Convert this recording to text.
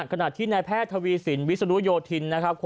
ขนาดที่ในแพทย์ทวีสินวิสุโนโยธินนะครับ